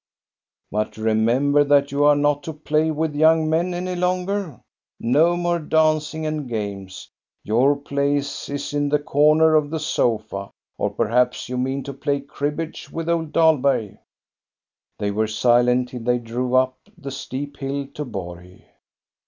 "" But remember that you are not to play with young men any longer. No more dancing and games. Your place is in the corner of the sofa — 70 THE STORY OF GOSTA BERLING or perhaps you mean to play cribbage. with old Dahlberg?" They were silent, till they drove up the steep hill to Borg.